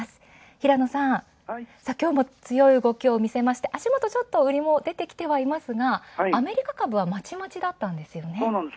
平野さん、今日も強い動きを見せて足元ちょっと、売りも出てきていますがアメリカ株はまちまちだったんですね。